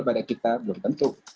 pada kita belum tentu